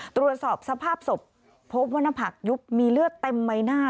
ตรวจสอบสภาพศพพบว่าหน้าผักยุบมีเลือดเต็มใบหน้า